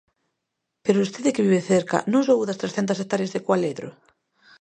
Pero vostede, que vive cerca, ¿non soubo das trescentas hectáreas de Cualedro?